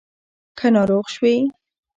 که ناروغ شوې